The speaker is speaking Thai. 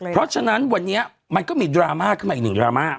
เพราะฉะนั้นวันนี้มันก็มีดราม่าขึ้นมาอีกหนึ่งดราม่า